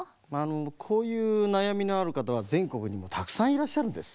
こういうなやみのあるかたはぜんこくにもたくさんいらっしゃるんです。